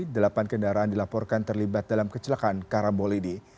delapan kendaraan dilaporkan terlibat dalam kecelakaan karambole di